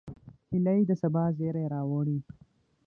هیلۍ د سبا زیری راوړي